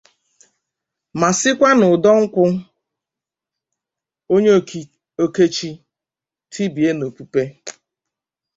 ma sịkwa na ụdọ nkwụ onye okechì tibie n'opupe